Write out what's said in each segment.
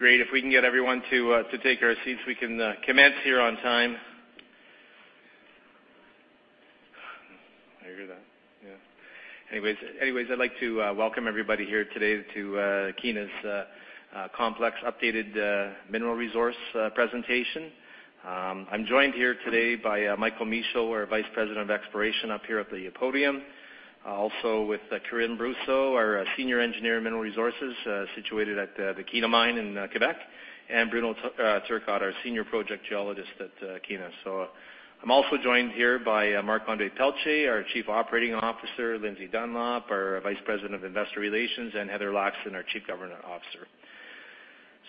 Great. If we can get everyone to take our seats, we can commence here on time. I hear that, yeah. I'd like to welcome everybody here today to Kiena Complex Updated Mineral Resource presentation. I'm joined here today by Michael Michaud, our Vice President of Exploration up here at the podium, also with Karine Brousseau, our Senior Engineer, Mineral Resources, situated at the Kiena Mine in Quebec, and Bruno Turcotte, our Senior Project Geologist at Kiena. I'm also joined here by Marc-André Pelletier, our Chief Operating Officer, Lindsay Dunlop, our Vice President of Investor Relations, and Heather Laxton, our Chief Governance Officer.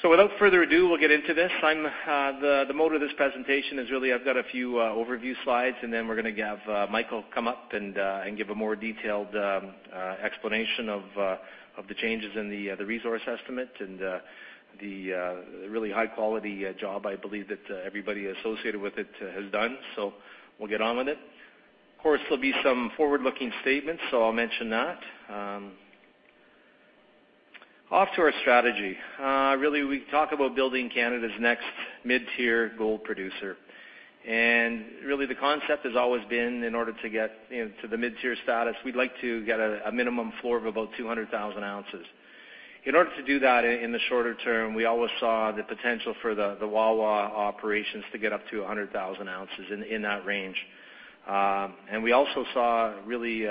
Without further ado, we'll get into this. The mode of this presentation is really I've got a few overview slides, and then we're going to have Michael come up and give a more detailed explanation of the changes in the resource estimate and the really high-quality job I believe that everybody associated with it has done. We'll get on with it. Of course, there'll be some forward-looking statements, so I'll mention that. Off to our strategy. Really, we talk about building Canada's next mid-tier gold producer, and really the concept has always been in order to get to the mid-tier status, we'd like to get a minimum floor of about 200,000 ounces. In order to do that in the shorter term, we always saw the potential for the Wawa operations to get up to 100,000 ounces in that range. We also saw really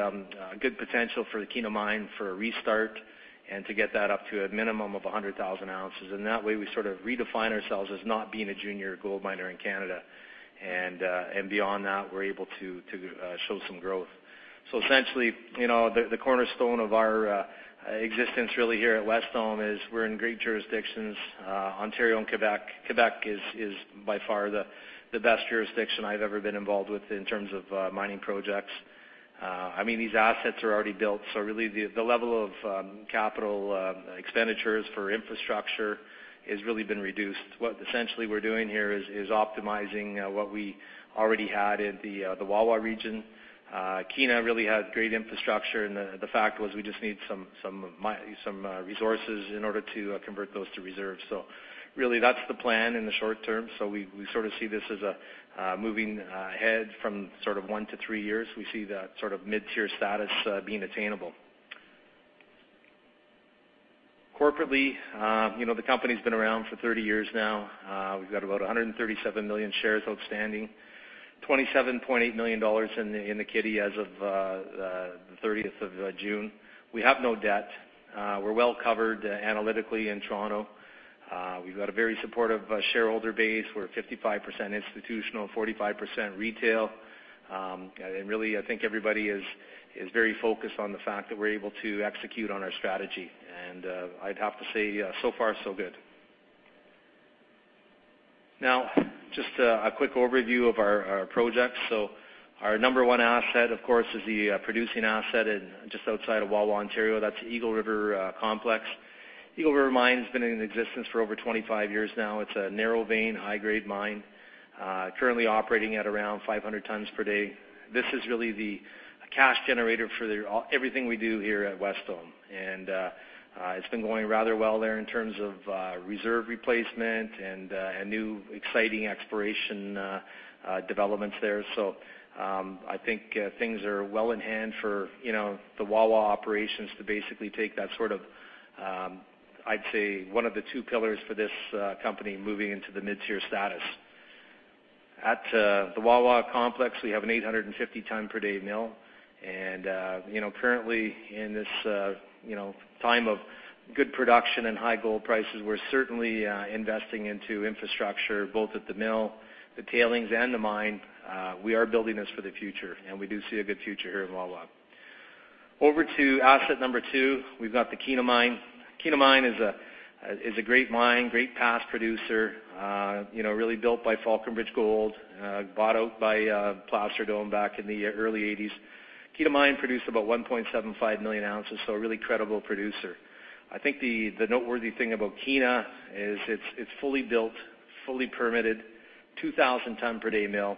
good potential for the Kiena Mine for a restart and to get that up to a minimum of 100,000 ounces. In that way, we sort of redefine ourselves as not being a junior gold miner in Canada. Beyond that, we're able to show some growth. Essentially, the cornerstone of our existence really here at Wesdome is we're in great jurisdictions, Ontario and Québec. Québec is by far the best jurisdiction I've ever been involved with in terms of mining projects. These assets are already built, so really the level of capital expenditures for infrastructure has really been reduced. What essentially we're doing here is optimizing what we already had in the Wawa region. Kiena really had great infrastructure, and the fact was we just need some resources in order to convert those to reserves. Really that's the plan in the short term. We sort of see this as moving ahead from one to three years. We see that mid-tier status being attainable. Corporately, the company's been around for 30 years now. We've got about 137 million shares outstanding, 27.8 million dollars in the kitty as of the 30th of June. We have no debt. We're well covered analytically in Toronto. We've got a very supportive shareholder base. We're 55% institutional, 45% retail. Really, I think everybody is very focused on the fact that we're able to execute on our strategy, and I'd have to say, so far so good. Just a quick overview of our projects. Our number one asset, of course, is the producing asset just outside of Wawa, Ontario. That's Eagle River complex. Eagle River Mine's been in existence for over 25 years now. It's a narrow vein, high-grade mine, currently operating at around 500 tons per day. This is really the cash generator for everything we do here at Wesdome, and it's been going rather well there in terms of reserve replacement and new exciting exploration developments there. I think things are well in hand for the Wawa operations to basically take that sort of, I'd say one of the two pillars for this company moving into the mid-tier status. At the Wawa complex, we have an 850 ton per day mill, and currently in this time of good production and high gold prices, we're certainly investing into infrastructure both at the mill, the tailings, and the mine. We are building this for the future, and we do see a good future here in Wawa. Over to asset number 2, we've got the Kiena Mine. Kiena Mine is a great mine, great past producer really built by Falconbridge Gold, bought out by Placer Dome back in the early 1980s. Kiena Mine produced about 1.75 million ounces, so a really credible producer. I think the noteworthy thing about Kiena is it's fully built, fully permitted, 2,000 tonnes per day mill.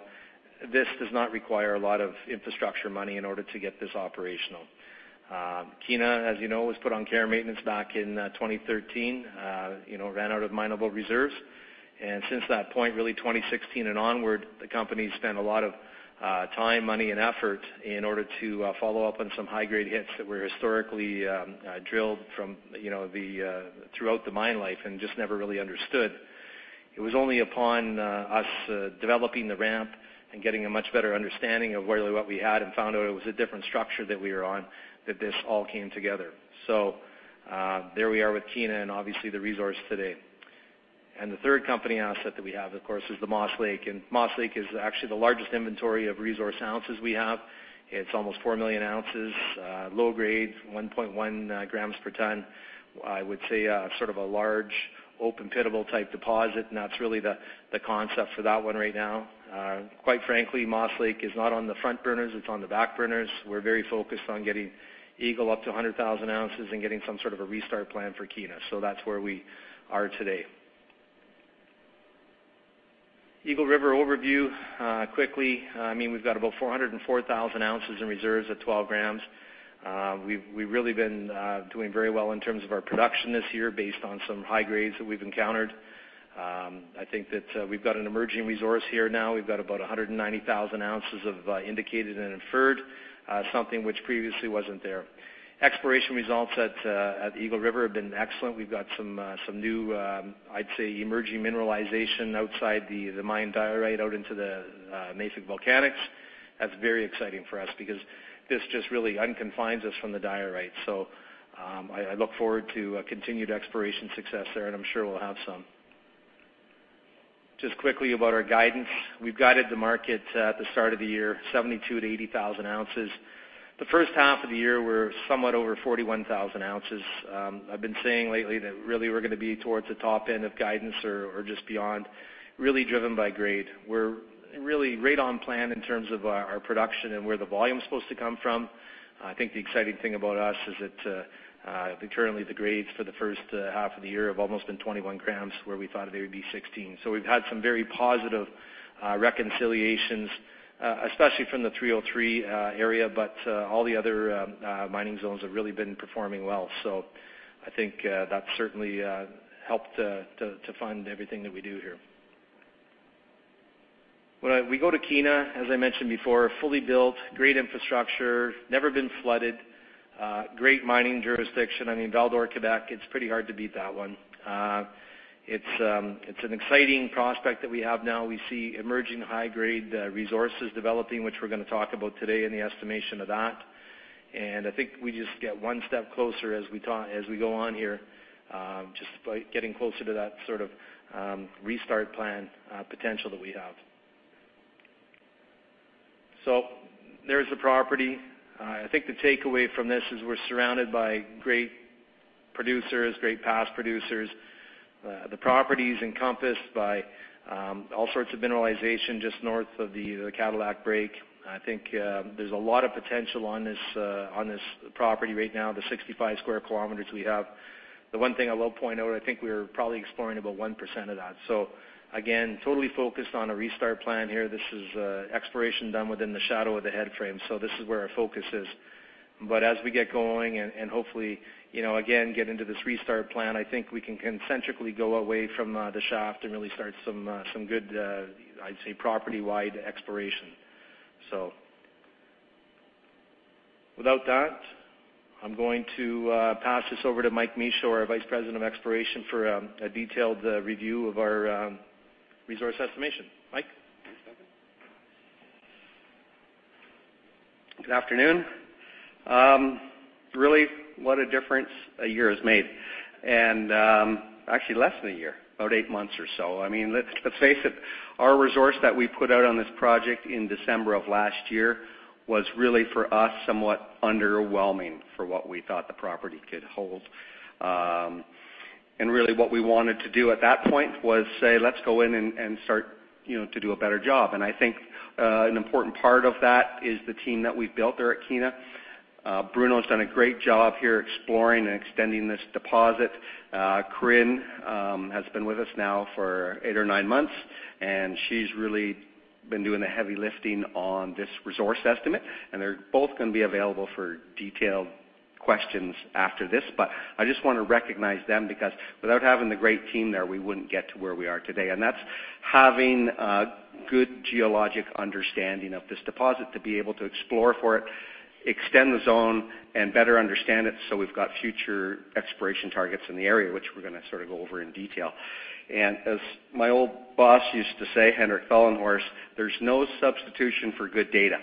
This does not require a lot of infrastructure money in order to get this operational. Kiena, as you know, was put on care and maintenance back in 2013, ran out of mineable reserves. Since that point, really 2016 and onward, the company spent a lot of time, money, and effort in order to follow up on some high-grade hits that were historically drilled throughout the mine life and just never really understood. It was only upon us developing the ramp and getting a much better understanding of really what we had and found out it was a different structure that we were on that this all came together. There we are with Kiena and obviously the resource today. The third company asset that we have, of course, is the Moss Lake, and Moss Lake is actually the largest inventory of resource ounces we have. It's almost 4 million ounces, low grade, 1.1 grams per ton. I would say sort of a large open pitable type deposit, and that's really the concept for that one right now. Quite frankly, Moss Lake is not on the front burners. It's on the back burners. We're very focused on getting Eagle up to 100,000 ounces and getting some sort of a restart plan for Kiena. That's where we are today. Eagle River overview quickly. We've got about 404,000 ounces in reserves at 12 grams. We've really been doing very well in terms of our production this year based on some high grades that we've encountered. I think that we've got an emerging resource here now. We've got about 190,000 ounces of indicated and inferred, something which previously wasn't there. Exploration results at Eagle River have been excellent. We've got some new, I'd say, emerging mineralization outside the mine diorite out into the mafic volcanics. That's very exciting for us because this just really unconfines us from the diorite. I look forward to continued exploration success there, and I'm sure we'll have some. Just quickly about our guidance. We've guided the market at the start of the year, 72,000-80,000 ounces. The first half of the year, we're somewhat over 41,000 ounces. I've been saying lately that really we're going to be towards the top end of guidance or just beyond, really driven by grade. We're really right on plan in terms of our production and where the volume is supposed to come from. I think the exciting thing about us is that currently the grades for the first half of the year have almost been 21 grams, where we thought they would be 16. We've had some very positive reconciliations, especially from the 303 area, but all the other mining zones have really been performing well. I think that certainly helped to fund everything that we do here. When we go to Kiena, as I mentioned before, fully built, great infrastructure, never been flooded, great mining jurisdiction. Val-d'Or, Quebec, it's pretty hard to beat that one. It's an exciting prospect that we have now. We see emerging high-grade resources developing, which we're going to talk about today and the estimation of that. I think we just get one step closer as we go on here, just by getting closer to that restart plan potential that we have. There's the property. I think the takeaway from this is we're surrounded by great producers, great past producers. The property is encompassed by all sorts of mineralization just north of the Cadillac Break. I think there's a lot of potential on this property right now, the 65 sq km we have. The one thing I will point out, I think we're probably exploring about 1% of that. Again, totally focused on a restart plan here. This is exploration done within the shadow of the headframe, so this is where our focus is. As we get going and hopefully, again, get into this restart plan, I think we can concentrically go away from the shaft and really start some good, I'd say, property-wide exploration. Without that, I'm going to pass this over to Mike Michaud, our Vice President of Exploration, for a detailed review of our resource estimation. Mike? Good afternoon. Really, what a difference a year has made, and actually less than a year, about eight months or so. Let's face it, our resource that we put out on this project in December of last year was really for us, somewhat underwhelming for what we thought the property could hold. Really what we wanted to do at that point was say, "Let's go in and start to do a better job." I think an important part of that is the team that we've built there at Kiena. Bruno's done a great job here exploring and extending this deposit. Karine has been with us now for eight or nine months, and she's really been doing the heavy lifting on this resource estimate. They're both going to be available for detailed questions after this. I just want to recognize them because without having the great team there, we wouldn't get to where we are today, and that's having a good geologic understanding of this deposit to be able to explore for it, extend the zone, and better understand it so we've got future exploration targets in the area, which we're going to go over in detail. As my old boss used to say, Henrik Fellenius, there's no substitution for good data.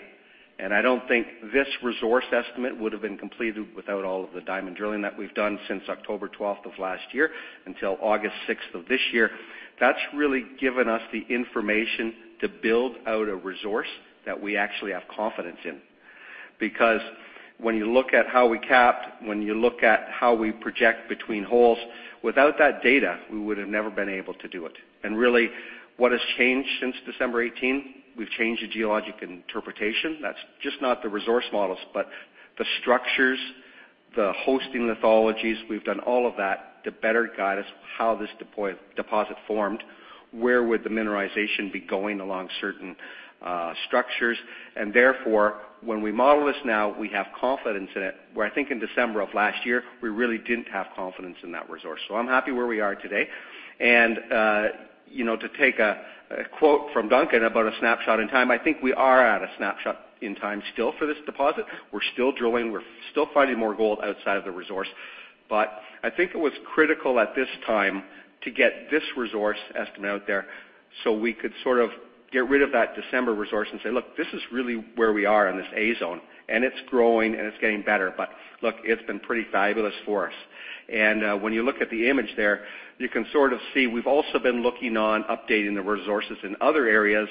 I don't think this resource estimate would have been completed without all of the diamond drilling that we've done since October 12th of last year until August 6th of this year. That's really given us the information to build out a resource that we actually have confidence in. When you look at how we capped, when you look at how we project between holes, without that data, we would have never been able to do it. Really, what has changed since December 18? We've changed the geologic interpretation. That's just not the resource models, but the structures, the hosting lithologies, we've done all of that to better guide us how this deposit formed, where would the mineralization be going along certain structures. Therefore, when we model this now, we have confidence in it, where I think in December of last year, we really didn't have confidence in that resource. I'm happy where we are today. To take a quote from Duncan about a snapshot in time, I think we are at a snapshot in time still for this deposit. We're still drilling, we're still finding more gold outside of the resource. I think it was critical at this time to get this resource estimate out there so we could get rid of that December resource and say, "Look, this is really where we are in this A Zone, and it's growing and it's getting better." Look, it's been pretty fabulous for us. When you look at the image there, you can sort of see we've also been looking on updating the resources in other areas,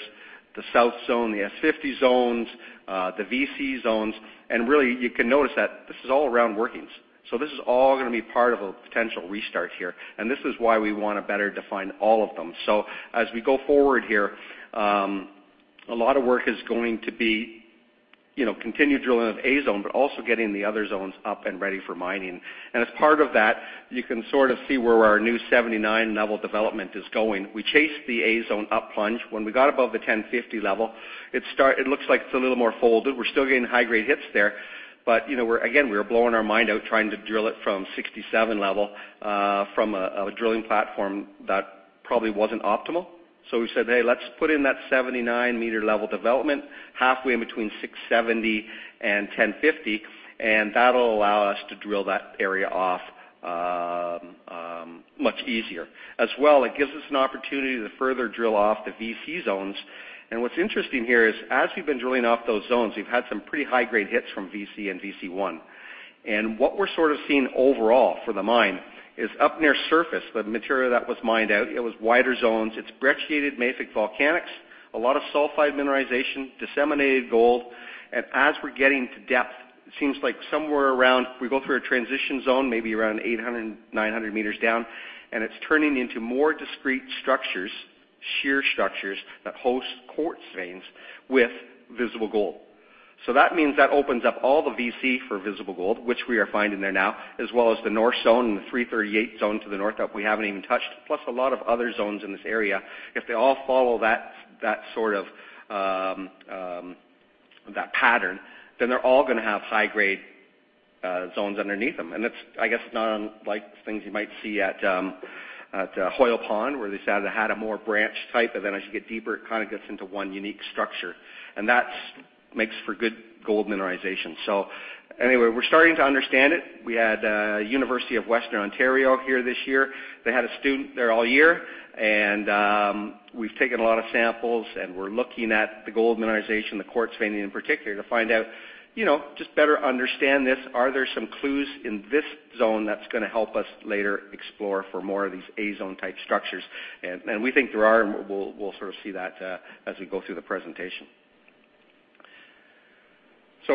the South Zone, the S50 zones, the VC zones, and really you can notice that this is all around workings. This is all going to be part of a potential restart here, and this is why we want to better define all of them. As we go forward here, a lot of work is going to be drilling of A Zone, but also getting the other zones up and ready for mining. As part of that, you can sort of see where our new 79 Level development is going. We chased the A Zone up plunge. When we got above the 1,050 Level, it looks like it's a little more folded. We're still getting high-grade hits there, but again, we were blowing our mind out trying to drill it from 67 Level from a drilling platform that probably wasn't optimal. We said, "Hey, let's put in that 79-meter Level development halfway in between 670 and 1,050, and that'll allow us to drill that area off much easier." As well, it gives us an opportunity to further drill off the VC zones. What's interesting here is, as we've been drilling off those zones, we've had some pretty high-grade hits from VC and VC1. What we're sort of seeing overall for the mine is up near surface, the material that was mined out, it was wider zones. It's brecciated mafic volcanics, a lot of sulfide mineralization, disseminated gold. As we're getting to depth, it seems like somewhere around, we go through a transition zone, maybe around 800, 900 meters down, and it's turning into more discrete structures, shear structures, that host quartz veins with visible gold. That means that opens up all the VC for visible gold, which we are finding there now, as well as the North Zone and the 338 Zone to the north that we haven't even touched, plus a lot of other zones in this area. If they all follow that pattern, then they're all going to have high-grade zones underneath them. It's, I guess, not unlike things you might see at Hoyle Pond, where they had a more branch type, then as you get deeper, it kind of gets into one unique structure. That makes for good gold mineralization. Anyway, we're starting to understand it. We had University of Western Ontario here this year. They had a student there all year. We've taken a lot of samples, and we're looking at the gold mineralization, the quartz veining in particular, to find out, just better understand this. Are there some clues in this zone that's going to help us later explore for more of these A Zone type structures? We think there are, and we'll sort of see that as we go through the presentation.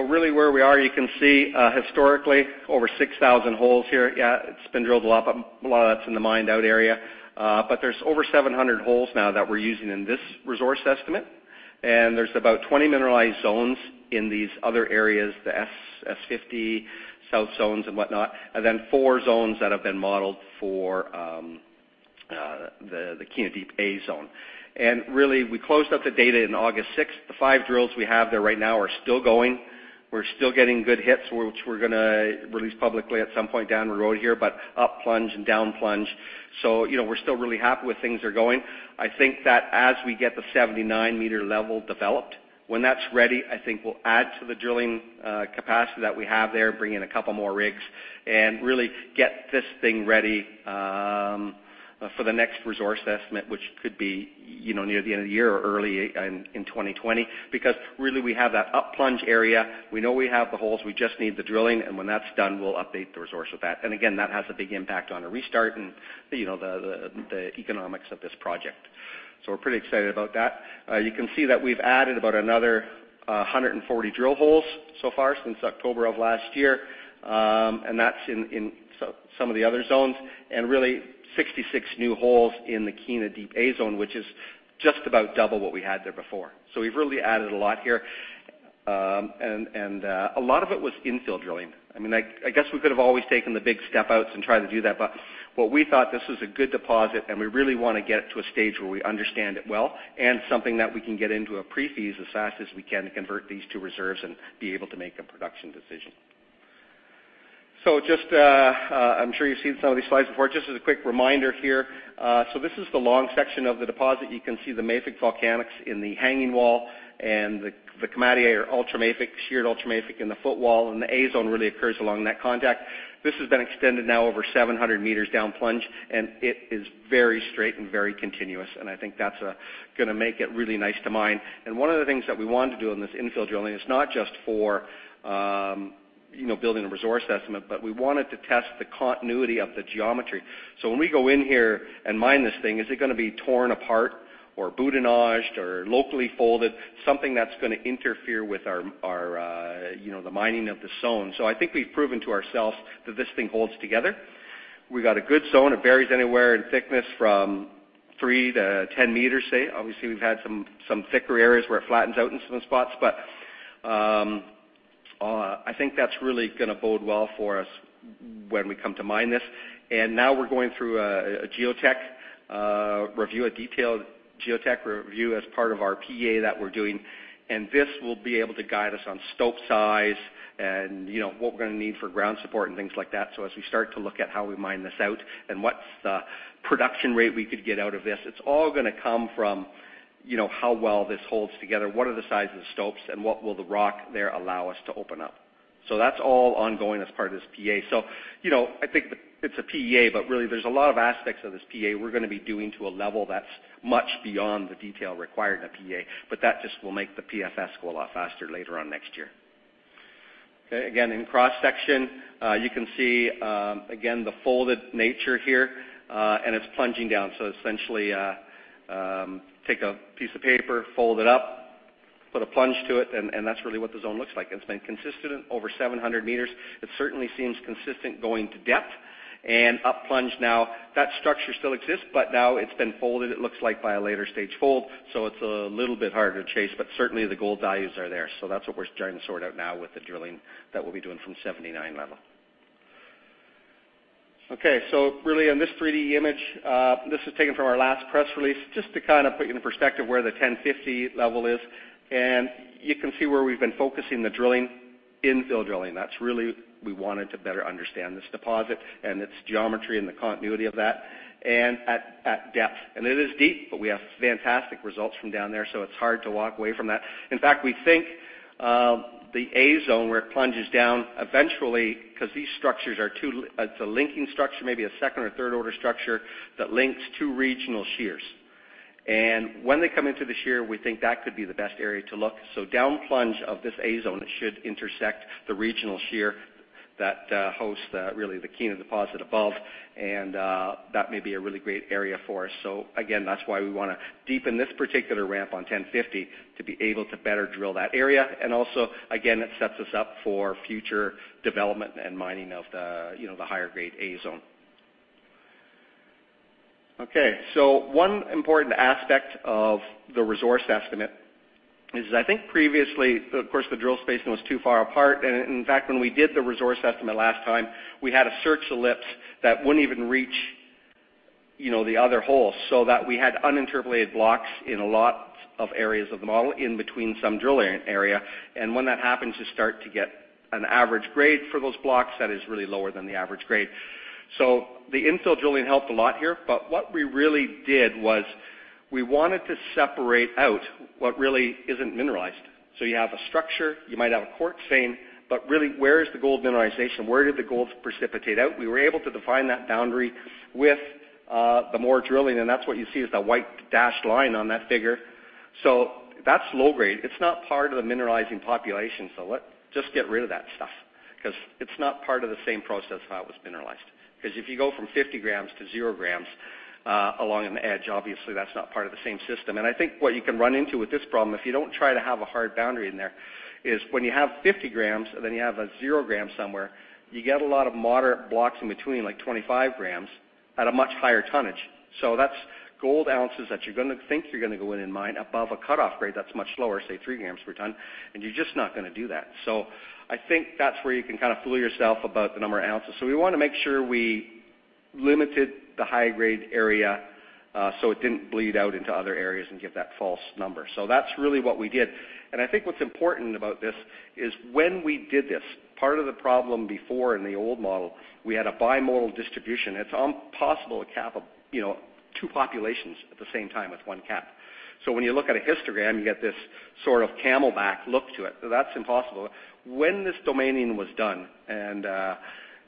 Really where we are, you can see historically over 6,000 holes here. It's been drilled a lot, but a lot of that's in the mined out area. There's over 700 holes now that we're using in this resource estimate. There's about 20 mineralized zones in these other areas, the S50 south zones and whatnot, and then four zones that have been modeled for the Kiena Deep A Zone. Really, we closed up the data in August 6th. The five drills we have there right now are still going. We're still getting good hits, which we're going to release publicly at some point down the road here, but up plunge and down plunge. We're still really happy with things are going. I think that as we get the 79-meter level developed, when that's ready, I think we'll add to the drilling capacity that we have there, bring in a couple more rigs, and really get this thing ready for the next resource estimate, which could be near the end of the year or early in 2020. Really we have that up plunge area. We know we have the holes. We just need the drilling, and when that's done, we'll update the resource with that. Again, that has a big impact on a restart and the economics of this project. We're pretty excited about that. You can see that we've added about another 140 drill holes so far since October of last year, and that's in some of the other zones. Really, 66 new holes in the Kiena Deep A Zone, which is just about double what we had there before. We've really added a lot here. A lot of it was infill drilling. I guess we could have always taken the big step outs and tried to do that, what we thought this was a good deposit, we really want to get it to a stage where we understand it well and something that we can get into a pre-feas as fast as we can to convert these to reserves and be able to make a production decision. I'm sure you've seen some of these slides before. Just as a quick reminder here, this is the long section of the deposit. You can see the mafic volcanics in the hanging wall and the komatiite or ultramafic, sheared ultramafic in the footwall, and the A Zone really occurs along that contact. This has been extended now over 700 meters down plunge, and it is very straight and very continuous, and I think that's going to make it really nice to mine. One of the things that we wanted to do in this infill drilling is not just for building a resource estimate, but we wanted to test the continuity of the geometry. When we go in here and mine this thing, is it going to be torn apart or boudinaged or locally folded, something that's going to interfere with the mining of the zone? I think we've proven to ourselves that this thing holds together. We've got a good zone. It varies anywhere in thickness from three to 10 meters, say. Obviously, we've had some thicker areas where it flattens out in some spots, I think that's really going to bode well for us when we come to mine this. Now we're going through a geotech review, a detailed geotech review as part of our PEA that we're doing. This will be able to guide us on stope size and what we're going to need for ground support and things like that. As we start to look at how we mine this out and what's the production rate we could get out of this, it's all going to come from how well this holds together, what are the size of the stopes, and what will the rock there allow us to open up. That's all ongoing as part of this PEA. I think it's a PEA, but really there's a lot of aspects of this PEA we're going to be doing to a level that's much beyond the detail required in a PEA, but that just will make the PFS go a lot faster later on next year. In cross-section, you can see, again, the folded nature here, and it's plunging down. Essentially, take a piece of paper, fold it up, put a plunge to it, and that's really what the zone looks like. It's been consistent over 700 meters. It certainly seems consistent going to depth. Up plunge now, that structure still exists, but now it's been folded, it looks like by a later stage fold, so it's a little bit harder to chase, but certainly the gold values are there. That's what we're trying to sort out now with the drilling that we'll be doing from 79 level. Really on this 3D image, this is taken from our last press release, just to put you into perspective where the 1050 level is. You can see where we've been focusing the drilling, infill drilling. That's really, we wanted to better understand this deposit and its geometry and the continuity of that, and at depth. It is deep, but we have fantastic results from down there, so it's hard to walk away from that. In fact, we think the A zone, where it plunges down eventually, because these structures are It's a linking structure, maybe a second or third order structure that links two regional shears. When they come into the shear, we think that could be the best area to look. Down plunge of this A Zone should intersect the regional shear that hosts the Kiena deposit above, and that may be a really great area for us. Again, that's why we want to deepen this particular ramp on 1050 to be able to better drill that area. Also, again, it sets us up for future development and mining of the higher grade A Zone. Okay. One important aspect of the resource estimate is, I think previously, of course, the drill spacing was too far apart. In fact, when we did the resource estimate last time, we had a search ellipse that wouldn't even reach the other hole, so that we had uninterpolated blocks in a lot of areas of the model in between some drill area. When that happens, you start to get an average grade for those blocks that is really lower than the average grade. The infill drilling helped a lot here, but what we really did was we wanted to separate out what really isn't mineralized. You have a structure, you might have a quartz vein, but really, where is the gold mineralization? Where did the gold precipitate out? We were able to define that boundary with the more drilling, and that's what you see as the white dashed line on that figure. That's low grade. It's not part of the mineralizing population, so let's just get rid of that stuff because it's not part of the same process of how it was mineralized. If you go from 50 grams to zero grams along an edge, obviously that's not part of the same system. I think what you can run into with this problem, if you don't try to have a hard boundary in there, is when you have 50 grams and then you have a zero gram somewhere, you get a lot of moderate blocks in between, like 25 grams, at a much higher tonnage. That's gold ounces that you're going to think you're going to go in and mine above a cutoff grade that's much lower, say three grams per ton, and you're just not going to do that. I think that's where you can kind of fool yourself about the number of ounces. We want to make sure we limited the high-grade area so it didn't bleed out into other areas and give that false number. That's really what we did. I think what's important about this is when we did this, part of the problem before in the old model, we had a bimodal distribution. It's impossible to cap two populations at the same time with one cap. When you look at a histogram, you get this sort of camel back look to it. That's impossible. When this domaining was done and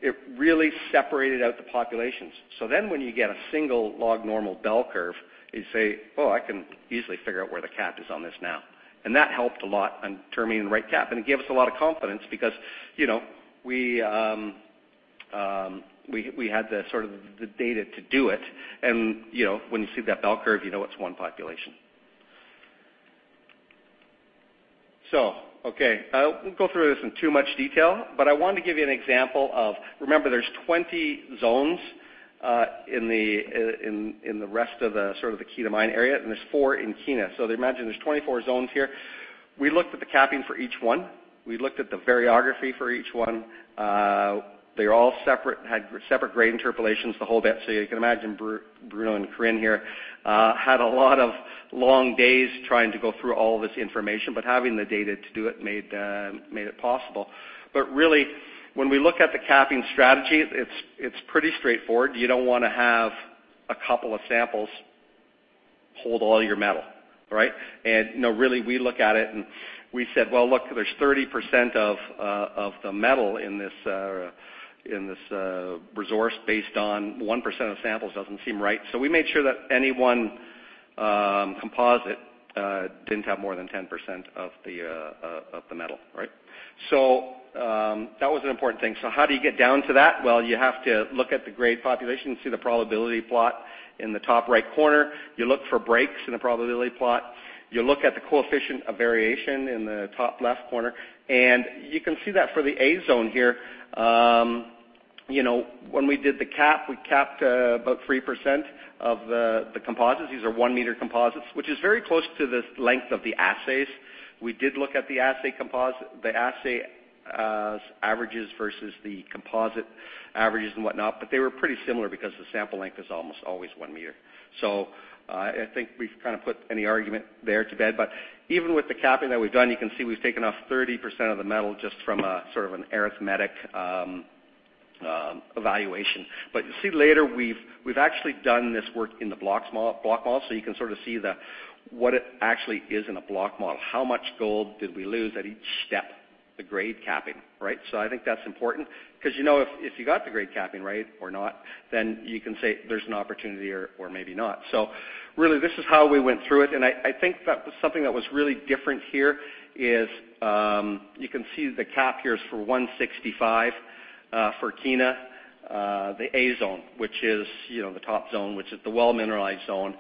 it really separated out the populations. When you get a single log normal bell curve, you say, "Oh, I can easily figure out where the cap is on this now." That helped a lot in determining the right cap. It gave us a lot of confidence because we had the data to do it. When you see that bell curve, you know it's one population. Okay, I won't go through this in too much detail, but I wanted to give you an example of, remember, there's 20 zones in the rest of the Kiena Mine area, and there's four in Kiena. Imagine there's 24 zones here. We looked at the capping for each one. We looked at the variography for each one. They all had separate grade interpolations, the whole bit. You can imagine Bruno and Karine here had a lot of long days trying to go through all this information, but having the data to do it made it possible. Really, when we look at the capping strategy, it's pretty straightforward. You don't want to have a couple of samples hold all your metal, right? Really, we look at it and we said, "Well, look, there's 30% of the metal in this resource based on 1% of samples. Doesn't seem right." We made sure that any one composite didn't have more than 10% of the metal. That was an important thing. How do you get down to that? Well, you have to look at the grade population. You see the probability plot in the top right corner. You look for breaks in the probability plot. You look at the coefficient of variation in the top left corner. You can see that for the A Zone here, when we did the cap, we capped about 3% of the composites. These are 1-meter composites, which is very close to the length of the assays. We did look at the assay averages versus the composite averages and whatnot, but they were pretty similar because the sample length is almost always 1 meter. I think we've put any argument there to bed. Even with the capping that we've done, you can see we've taken off 30% of the metal just from an arithmetic evaluation. You'll see later we've actually done this work in the block model, so you can see what it actually is in a block model. How much gold did we lose at each step, the grade capping? I think that's important, because if you got the grade capping right or not, then you can say there's an opportunity or maybe not. Really, this is how we went through it, and I think that something that was really different here is you can see the cap here is for 165 for Kiena, the A Zone, which is the top zone, which is the well-mineralized zone.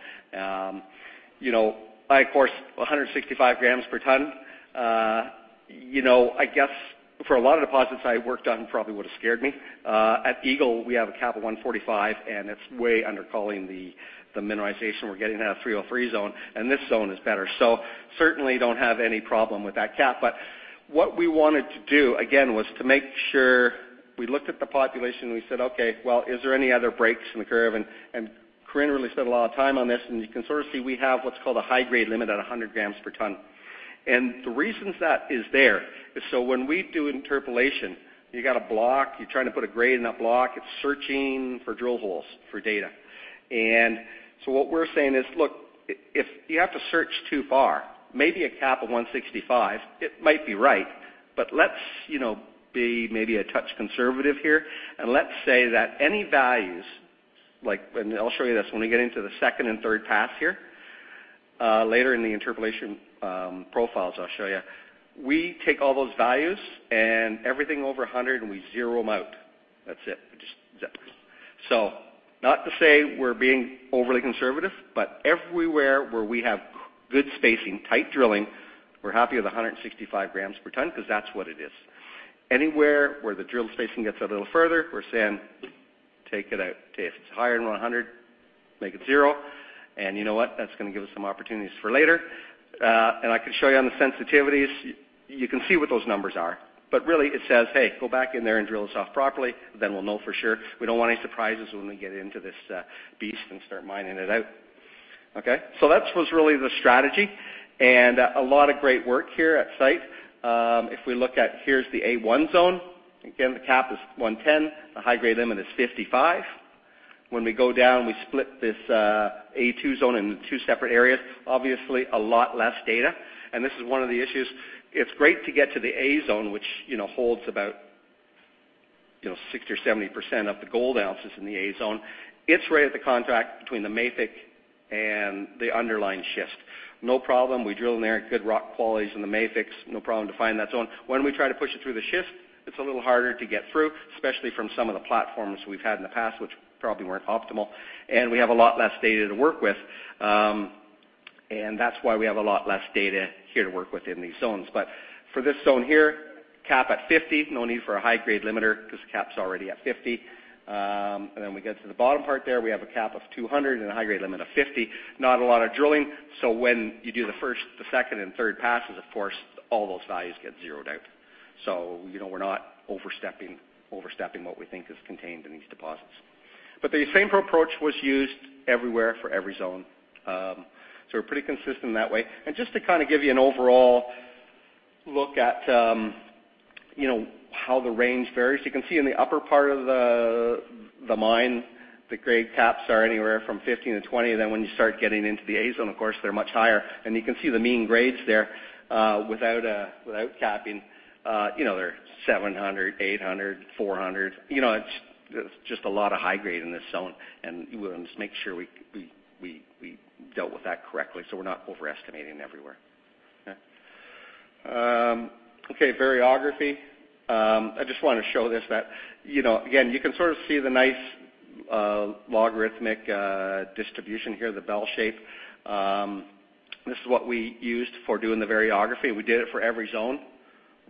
By, of course, 165 grams per ton, I guess for a lot of deposits I worked on, probably would've scared me. At Eagle, we have a cap of 145, and it's way undercalling the mineralization we're getting out of 303 zone, and this zone is better. Certainly don't have any problem with that cap. What we wanted to do, again, was to make sure we looked at the population, we said, "Okay, well, is there any other breaks in the curve?" Karine really spent a lot of time on this, and you can sort of see we have what's called a high-grade limit at 100 grams per ton. The reasons that is there is so when we do interpolation, you got a block, you're trying to put a grade in that block, it's searching for drill holes for data. What we're saying is, look, if you have to search too far, maybe a cap of 165, it might be right, but let's be maybe a touch conservative here, and let's say that any values, and I'll show you this when we get into the second and third pass here, later in the interpolation profiles I'll show you. We take all those values and everything over 100, and we zero them out. That's it. We just zip. Not to say we're being overly conservative, but everywhere where we have good spacing, tight drilling, we're happy with 165 grams per ton because that's what it is. Anywhere where the drill spacing gets a little further, we're saying, "Take it out. If it's higher than 100, make it zero." You know what? That's going to give us some opportunities for later. I can show you on the sensitivities, you can see what those numbers are. Really it says, "Hey, go back in there and drill this off properly, then we'll know for sure." We don't want any surprises when we get into this beast and start mining it out. Okay? That was really the strategy and a lot of great work here at site. If we look at, here's the A1 zone. Again, the cap is 110. The high-grade limit is 55. When we go down, we split this A2 zone into two separate areas. Obviously, a lot less data, and this is one of the issues. It's great to get to the A zone, which holds about 60% or 70% of the gold ounces in the A zone. It's right at the contact between the mafic and the underlying schist. No problem, we drill in there, good rock qualities in the mafics. No problem to find that zone. When we try to push it through the schist, it's a little harder to get through, especially from some of the platforms we've had in the past, which probably weren't optimal. We have a lot less data to work with. That's why we have a lot less data here to work with in these zones. For this zone here, cap at 50. No need for a high-grade limit because the cap's already at 50. We get to the bottom part there, we have a cap of 200 and a high-grade limit of 50. When you do the first, the second, and third passes, of course, all those values get zeroed out. We're not overstepping what we think is contained in these deposits. The same approach was used everywhere for every zone. We're pretty consistent that way. Just to give you an overall look at how the range varies. You can see in the upper part of the mine, the grade caps are anywhere from 15-20. When you start getting into the A Zone, of course, they're much higher. You can see the mean grades there, without capping, they're 700,000, 800,000, 400,000. It's just a lot of high grade in this zone, and we want to just make sure we dealt with that correctly so we're not overestimating everywhere. Okay? Variography. I just want to show this, that again, you can sort of see the nice lognormal distribution here, the bell shape. This is what we used for doing the variography. We did it for every zone.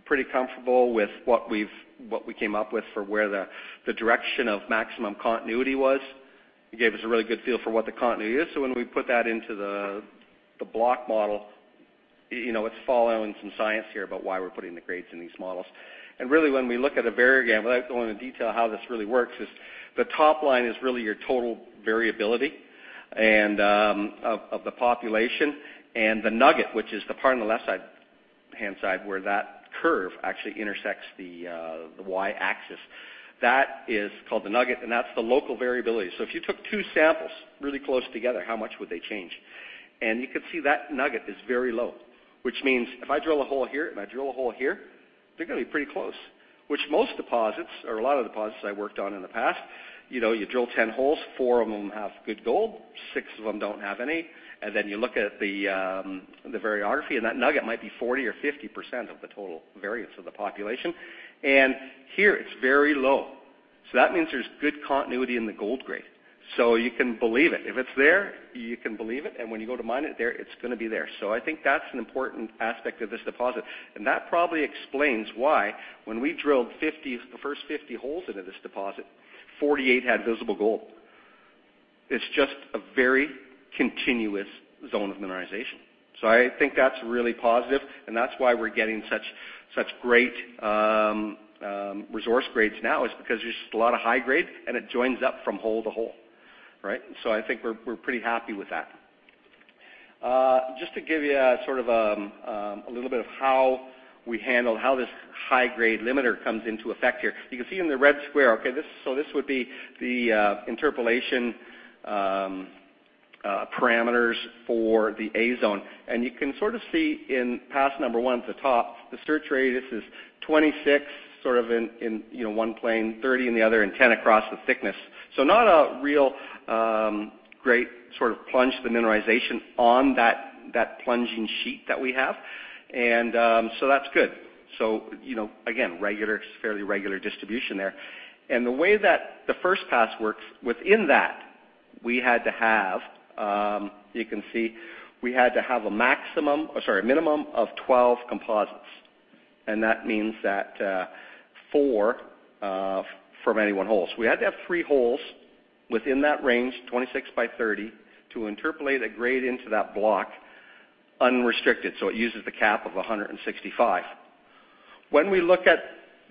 Pretty comfortable with what we came up with for where the direction of maximum continuity was. It gave us a really good feel for what the continuity is. When we put that into the block model, it's following some science here about why we're putting the grades in these models. Really, when we look at a variogram, without going into detail how this really works, is the top line is really your total variability of the population, and the nugget, which is the part on the left-hand side where that curve actually intersects the Y-axis. That is called the nugget, and that's the local variability. If you took two samples really close together, how much would they change? You could see that nugget is very low, which means if I drill a hole here and I drill a hole here, they're going to be pretty close, which most deposits or a lot of deposits I worked on in the past, you drill 10 holes, four of them have good gold, six of them don't have any. You look at the variography, and that nugget might be 40% or 50% of the total variance of the population. Here it's very low. That means there's good continuity in the gold grade. You can believe it. If it's there, you can believe it. When you go to mine it there, it's going to be there. I think that's an important aspect of this deposit. That probably explains why when we drilled the first 50 holes into this deposit, 48 had visible gold. It's just a very continuous zone of mineralization. I think that's really positive, and that's why we're getting such great resource grades now is because there's just a lot of high grade, and it joins up from hole to hole. Right? I think we're pretty happy with that. Just to give you a little bit of how we handle, how this high-grade limit comes into effect here. You can see in the red square, this would be the interpolation parameters for the A Zone. You can sort of see in pass number one at the top, the search radius is 26 sort of in one plane, 30 in the other, and 10 across the thickness. Not a real great sort of plunge, the mineralization on that plunging sheet that we have. That's good. Again, fairly regular distribution there. The way that the first pass works within that. We had to have, you can see, we had to have a minimum of 12 composites, and that means that four from any one hole. We had to have three holes within that range, 26 by 30, to interpolate a grade into that block unrestricted. It uses the cap of 165. When we look at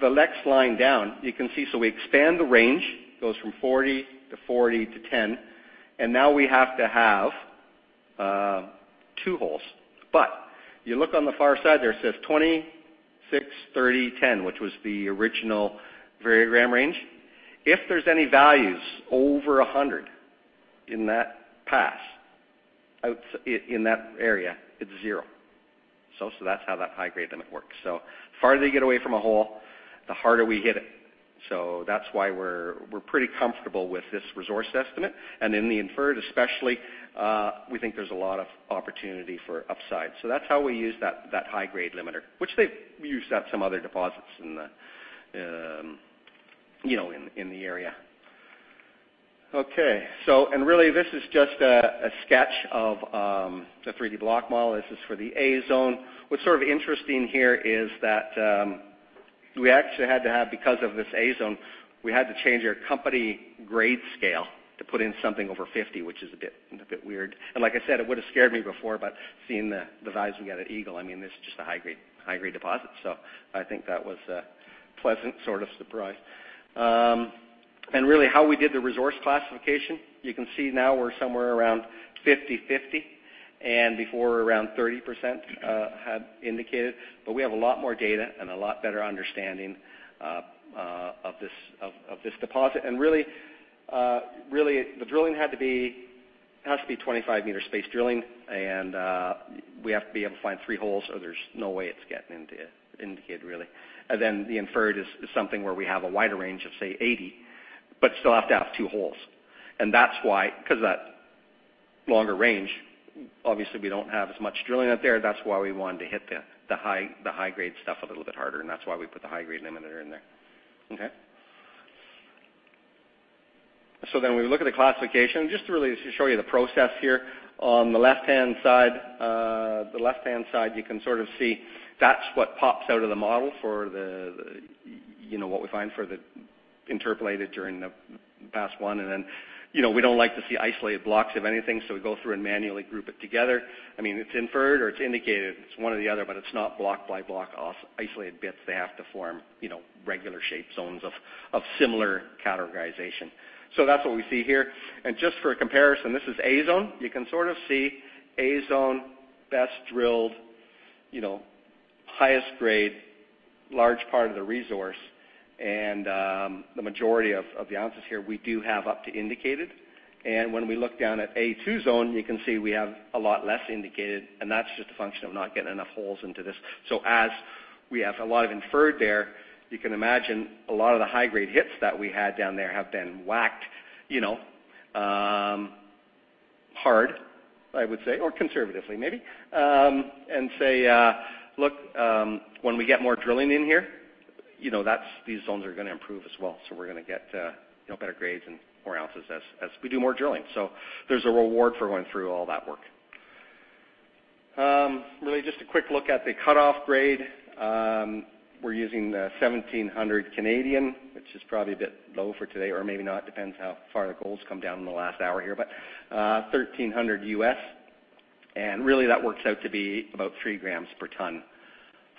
the next line down, you can see, so we expand the range. It goes from 40 to 40 to 10. Now we have to have two holes. You look on the far side there, it says 26, 30, 10, which was the original variogram range. If there's any values over 100 in that pass, in that area, it's zero. That's how that high-grade limit works. The farther you get away from a hole, the harder we hit it. That's why we're pretty comfortable with this resource estimate. In the inferred especially, we think there's a lot of opportunity for upside. That's how we use that high-grade limit, which they've used at some other deposits in the area. Okay. And really, this is just a sketch of the 3D block model. This is for the A Zone. What's sort of interesting here is that we actually had to have, because of this A Zone, we had to change our company grade scale to put in something over 50, which is a bit weird. Like I said, it would've scared me before, but seeing the values we got at Eagle, I mean, this is just a high-grade deposit. I think that was a pleasant sort of surprise. Really, how we did the resource classification, you can see now we're somewhere around 50/50, and before around 30% had indicated. We have a lot more data and a lot better understanding of this deposit. Really, the drilling has to be 25-meter space drilling, and we have to be able to find three holes, or there's no way it's getting into indicated, really. Then the inferred is something where we have a wider range of, say, 80, but still have to have two holes. That's why, because of that longer range, obviously, we don't have as much drilling out there. That's why we wanted to hit the high grade stuff a little bit harder, and that's why we put the high-grade limit in there. Okay. When we look at the classification, just to really show you the process here, on the left-hand side you can sort of see that's what pops out of the model for what we find for the interpolated during the past one. We don't like to see isolated blocks of anything, so we go through and manually group it together. I mean, it's inferred or it's indicated, it's one or the other, but it's not block by block, isolated bits. They have to form regular shaped zones of similar categorization. That's what we see here. Just for a comparison, this is A Zone. You can sort of see A Zone, best drilled, highest grade, large part of the resource, and the majority of the ounces here, we do have up to indicated. When we look down at A2 Zone, you can see we have a lot less indicated, and that's just a function of not getting enough holes into this. As we have a lot of inferred there, you can imagine a lot of the high-grade hits that we had down there have been whacked hard, I would say, or conservatively maybe. Say, look, when we get more drilling in here, these zones are going to improve as well. We're going to get better grades and more ounces as we do more drilling. There's a reward for going through all that work. Really, just a quick look at the cutoff grade. We're using the 1,700, which is probably a bit low for today, or maybe not, depends how far the gold's come down in the last hour here. $1,300, and really that works out to be about three grams per ton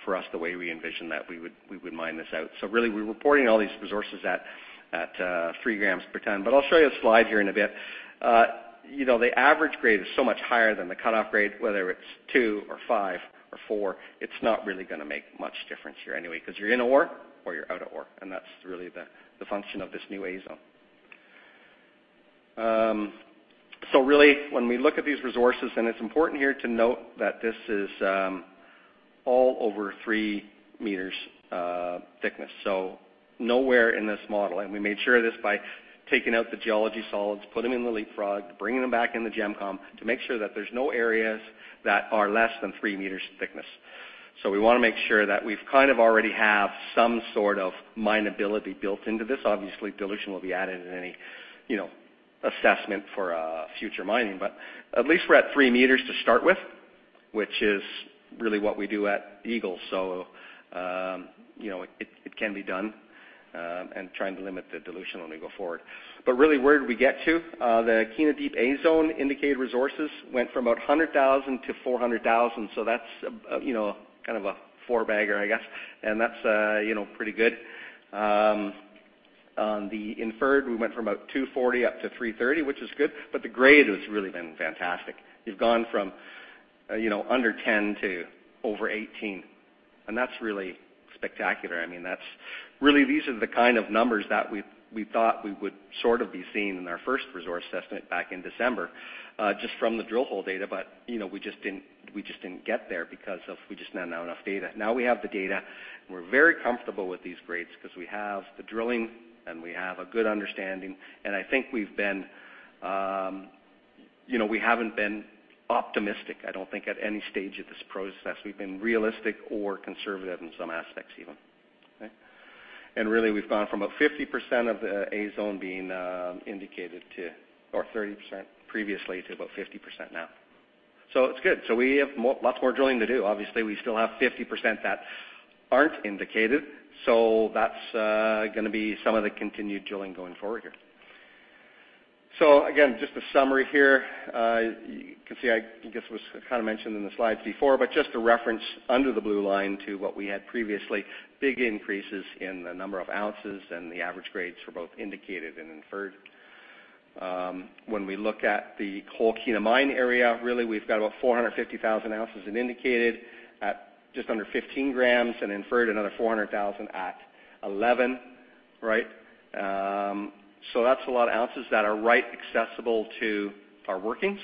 for us, the way we envision that we would mine this out. We're reporting all these resources at three grams per ton. I'll show you a slide here in a bit. The average grade is so much higher than the cutoff grade, whether it's 2 or 5 or 4, it's not really going to make much difference here anyway, because you're in ore or you're out of ore, and that's really the function of this new A Zone. When we look at these resources, and it's important here to note that this is all over three meters thickness. Nowhere in this model, and we made sure of this by taking out the geology solids, putting them in the Leapfrog, bringing them back in the Gemcom, to make sure that there's no areas that are less than three meters thickness. We want to make sure that we've kind of already have some sort of mine ability built into this. Obviously, dilution will be added in any assessment for future mining. At least we're at three meters to start with, which is really what we do at Eagle. It can be done, and trying to limit the dilution when we go forward. Really, where did we get to? The Kiena Deep A Zone indicated resources went from about 100,000 to 400,000, so that's kind of a four-bagger, I guess. That's pretty good. On the inferred, we went from about 240 up to 330, which is good. The grade has really been fantastic. You've gone from under 10 to over 18, and that's really spectacular. I mean, really these are the kind of numbers that we thought we would sort of be seeing in our first resource estimate back in December, just from the drill hole data, but we just didn't get there because we just didn't have enough data. Now we have the data, and we're very comfortable with these grades because we have the drilling, and we have a good understanding, and I think we haven't been optimistic, I don't think, at any stage of this process. We've been realistic or conservative in some aspects even. Really, we've gone from a 50% of the A Zone being indicated Or 30% previously to about 50% now. It's good. We have lots more drilling to do. Obviously, we still have 50% that aren't indicated. That's going to be some of the continued drilling going forward here. Again, just a summary here. You can see, I guess it was mentioned in the slides before, but just to reference, under the blue line to what we had previously, big increases in the number of ounces and the average grades for both indicated and inferred. When we look at the whole Kiena Mine area, really, we've got about 450,000 ounces in indicated at just under 15 grams, and inferred another 400,000 at 11. That's a lot of ounces that are right accessible to our workings,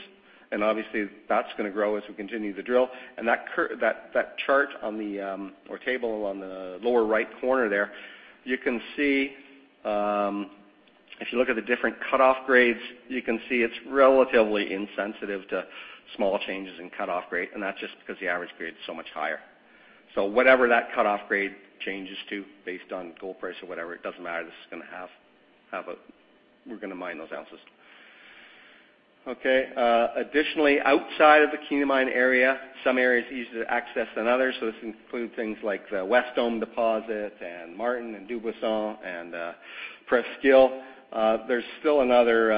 and obviously, that's going to grow as we continue to drill. That chart on the, or table on the lower right corner there, if you look at the different cutoff grades, you can see it's relatively insensitive to small changes in cutoff grade, and that's just because the average grade is so much higher. Whatever that cutoff grade changes to based on gold price or whatever, it doesn't matter. We're going to mine those ounces. Additionally, outside of the Kiena Mine area, some areas are easier to access than others. This includes things like the Wesdome Deposit and Martin and Dubuisson and Presqu'île. There's still another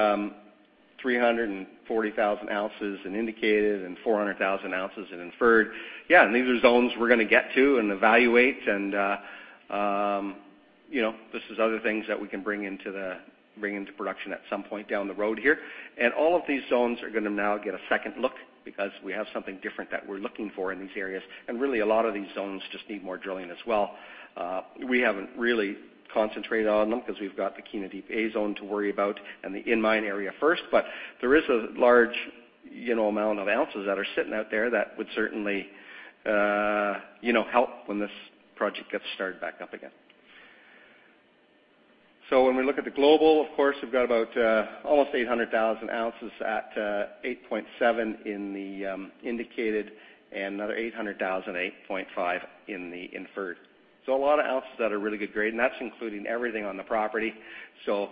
340,000 ounces in indicated and 400,000 ounces in inferred. These are zones we're going to get to and evaluate. This is other things that we can bring into production at some point down the road here. All of these zones are going to now get a second look because we have something different that we're looking for in these areas. Really, a lot of these zones just need more drilling as well. We haven't really concentrated on them because we've got the Kiena Deep A Zone to worry about and the in-mine area first. There is a large amount of ounces that are sitting out there that would certainly help when this project gets started back up again. When we look at the global, of course, we've got about almost 800,000 ounces at 8.7 in the indicated and another 800,000, 8.5 in the inferred. A lot of ounces that are really good grade, and that's including everything on the property. Some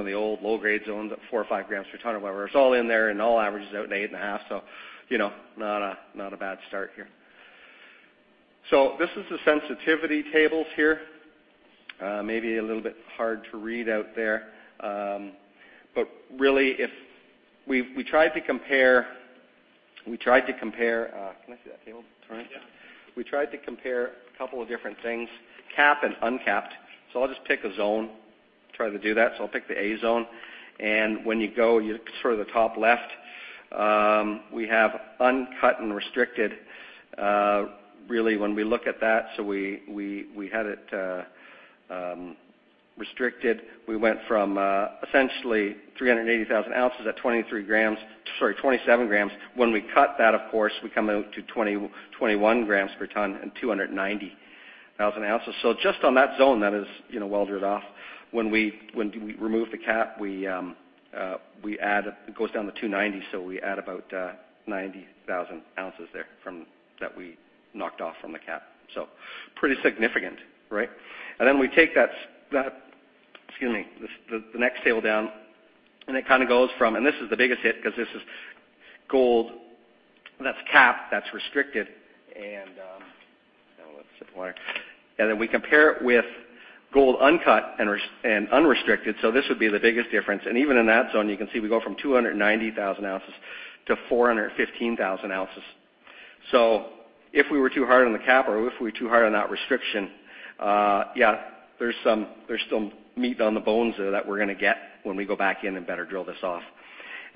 of the old low-grade zones at four or five grams per ton or whatever, it's all in there and all averages out at eight and a half. Not a bad start here. This is the sensitivity tables here. Maybe a little bit hard to read out there. Really, can I see that table, Tony? Yeah. We tried to compare a couple of different things, cap and uncapped. I'll just pick a zone, try to do that. I'll pick the A Zone. When you go to the top left, we have uncut and restricted. Really, when we look at that, we had it restricted. We went from essentially 380,000 ounces at 23 grams to, sorry, 27 grams. When we cut that, of course, we come out to 21 grams per ton and 290,000 ounces. Just on that zone, that is well drilled off. When we remove the cap, it goes down to 290, so we add about 90,000 ounces there that we knocked off from the cap. Pretty significant. We take the next table down, it goes from, this is the biggest hit because this is gold that's capped, that's restricted. We compare it with gold uncut and unrestricted, this would be the biggest difference. Even in that zone, you can see we go from 290,000 ounces to 415,000 ounces. If we were too hard on the cap or if we were too hard on that restriction, there's still meat on the bones there that we're going to get when we go back in and better drill this off.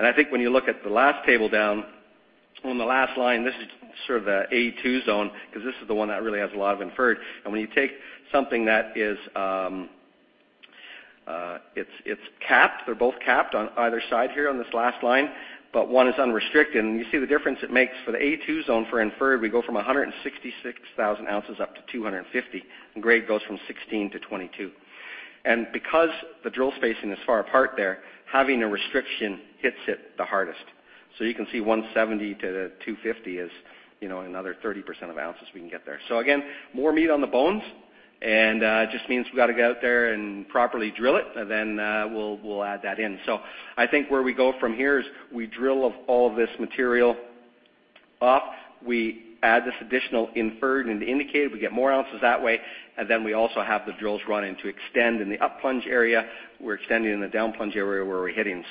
I think when you look at the last table down, on the last line, this is sort of the A2 zone, because this is the one that really has a lot of inferred. When you take something that is capped, they're both capped on either side here on this last line, but one is unrestricted. You see the difference it makes for the A2 Zone for inferred, we go from 166,000 ounces up to 250, and grade goes from 16-22. Because the drill spacing is far apart there, having a restriction hits it the hardest. You can see 170-250 is another 30% of ounces we can get there. Again, more meat on the bones, and it just means we got to get out there and properly drill it, and then we'll add that in. I think where we go from here is we drill all this material up, we add this additional inferred and indicated, we get more ounces that way, and then we also have the drills running to extend in the up-plunge area. We're extending in the down-plunge area where we're hitting.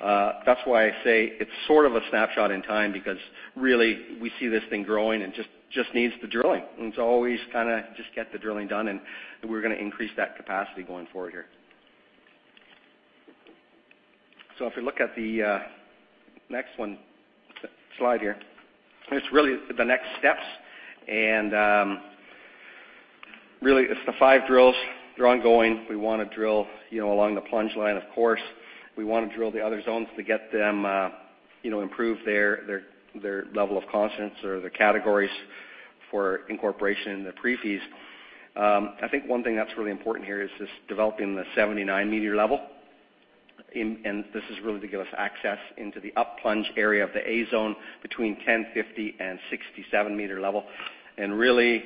That's why I say it's sort of a snapshot in time because really we see this thing growing and just needs the drilling. It's always just get the drilling done and we're going to increase that capacity going forward here. If you look at the next slide here, it's really the next steps and really it's the five drills. They're ongoing. We want to drill along the plunge line, of course. We want to drill the other zones to improve their level of confidence or the categories for incorporation in the pre-feas. I think one thing that's really important here is this developing the 79-meter level, and this is really to give us access into the up plunge area of the A Zone between 1,050 and 67-meter level. Really,